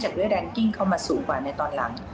ด้วยแรงกิ้งเข้ามาสูงกว่าในตอนหลัง